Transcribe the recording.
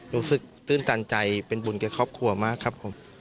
รู้สึกตื่นตันใจเป็นบุญกับครอบครัวมากครับผม